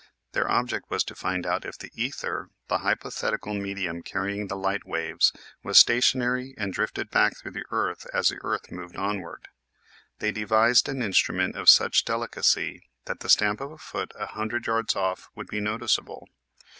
Their object was to find out if the ether, the hypothetical medium carrying the light waves, was stationary and drifted back through the earth as the earth moved onward. They devised an instrument of such delicacy that the stamp of a foot a hundred yards off would be noticeable.